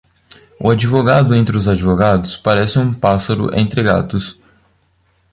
O advogado entre os advogados parece um pássaro entre gatos.